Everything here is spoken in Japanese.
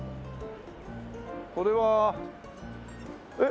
これはえっ？